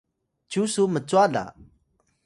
mama: cyu su mcwa la?